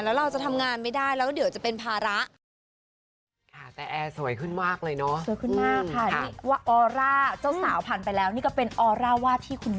แล้วเราจะทำงานไม่ได้แล้วก็เดี๋ยวจะเป็นภาระ